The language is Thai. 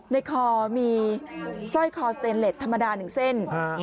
ในคอมีสร้อยคอสเตนเล็ตธรรมดา๑เส้น